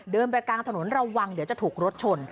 ไปกลางถนนระวังเดี๋ยวจะถูกรถชน